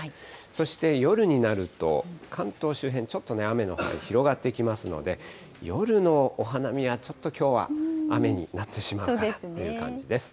そして夜になると、関東周辺、ちょっとね、雨の範囲、広がってきますので、夜のお花見は、ちょっときょうは雨になってしまうかなという感じです。